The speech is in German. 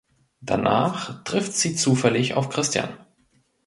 Danach trifft sie zufällig auf Christian.